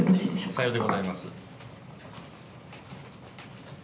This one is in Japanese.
さようでございます。